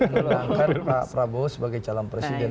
untuk melanggar pak prabowo sebagai calon presiden